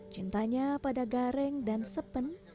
cintanya pada gareng dan sepen